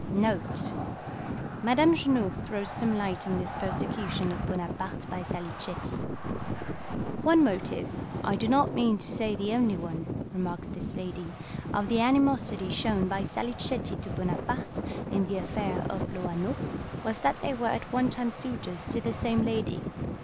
[Madame Junot throws some light on this Persecution of Bonaparte by Salicetti. "One motive (I do not mean to say the only one)," remarks this lady, "of the animosity shown by Salicetti to Bonaparte, in the affair of Loano, was that they were at one time suitors to the same lady.